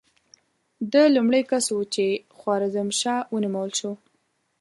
ده لومړی کس و چې خوارزم شاه ونومول شو.